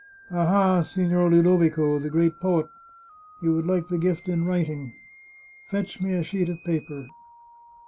" Aha, Signor Ludovico, the great poet ! You would like the gift in writing. Fetch me a sheet of paper."